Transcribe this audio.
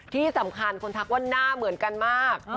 ที่สำคัญคนทักว่าหน้าเหมือนกันมาก